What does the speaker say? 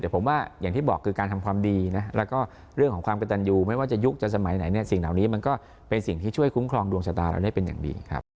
แต่ผมว่าอย่างที่บอกคือการทำความดีนะแล้วก็เรื่องของความกระตันยูไม่ว่าจะยุคจะสมัยไหนเนี่ยสิ่งเหล่านี้มันก็เป็นสิ่งที่ช่วยคุ้มครองดวงชะตาเราได้เป็นอย่างดีครับ